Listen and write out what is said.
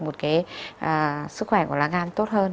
một cái sức khỏe của lá gan tốt hơn